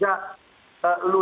saya kira begitulah